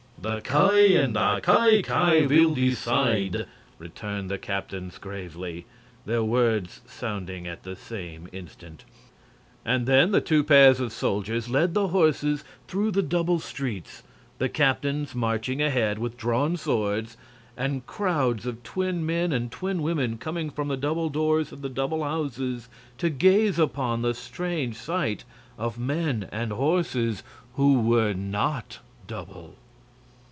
"The Ki and the Ki Ki will decide," returned the captains gravely, their words sounding at the same instant. And then the two pairs of soldiers led the horses through the double streets, the captains marching ahead with drawn swords, and crowds of twin men and twin women coming from the double doors of the double houses to gaze upon the strange sight of men and horses who were not double.